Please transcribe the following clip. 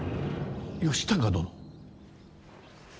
義高殿。